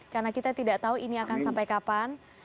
karena kita tidak tahu ini akan sampai kapan